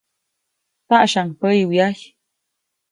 Saʼsyaʼuŋ päyi wyajy.